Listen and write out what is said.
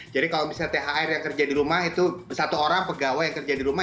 jadi kalau misalnya thr yang kerja di rumah itu satu orang pegawai yang kerja di rumah